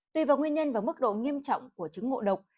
tuy vào nguyên nhân và mức độ nghiêm trọng của chứng ngộ độc